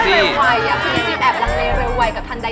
พี่พิซซี่แอบเร็วไวกับทันใด